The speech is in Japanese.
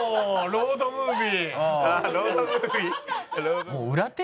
ロードムービー。